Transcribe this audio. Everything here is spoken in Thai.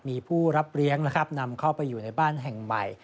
มีผู้รับเลี้ยงนะครับนำเข้าไปอยู่ในบ้านแห่งใหม่